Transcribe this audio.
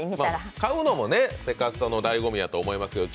買うのもセカストのだいご味やと思いますけど。